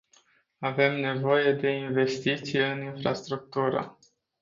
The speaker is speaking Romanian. Avem nevoie de investiții în infrastructură.